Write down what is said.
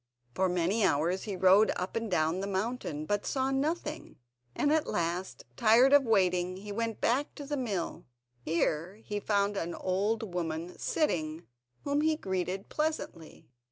For many hours he rode up and down the mountain, but saw nothing, and at last, tired of waiting, he went back to the mill. Here he found an old woman sitting, whom he greeted pleasantly.